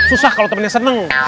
susah kalau temennya seneng